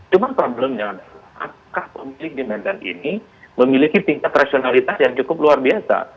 cuma problemnya adalah apakah pemilik di medan ini memiliki tingkat rasionalitas yang cukup luar biasa